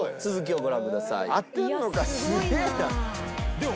でも